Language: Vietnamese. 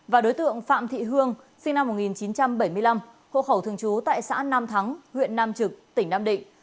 và đối tượng phạm thị hương sinh năm một nghìn chín trăm bảy mươi năm hộ khẩu thường trú tại xã nam thắng huyện nam trực tỉnh nam định